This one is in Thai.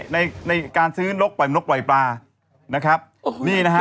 ในในการซื้อนกปล่อยนกปล่อยปลานะครับนี่นะฮะ